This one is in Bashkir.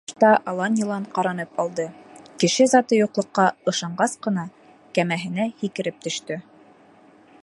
Ул башта алан-йолан ҡаранып алды, кеше заты юҡлыҡҡа ышанғас ҡына, кәмәһенән һикереп төштө.